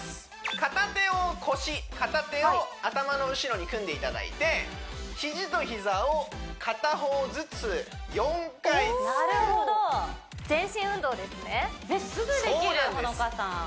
片手を腰片手を頭の後ろに組んでいただいて肘と膝を片方ずつ４回つく全身運動ですねすぐできるほのかさん